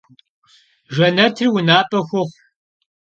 Jjenetır vunap'e xuxhu!